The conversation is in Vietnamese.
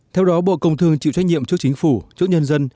theo đó bộ công thương chịu trách nhiệm trước chính phủ trước nhân dân